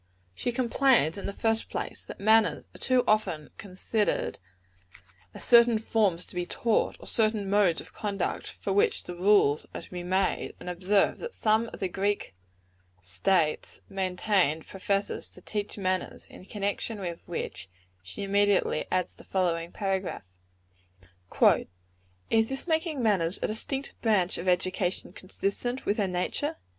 She complains, in the first place, that manners are too often considered as certain forms to be taught, or certain modes of conduct for which rules are to be made: and observes that some of the Greek states maintained professors to teach manners; in connection with which she immediately adds the following paragraph: "Is this making manners a distinct branch of education consistent with their nature?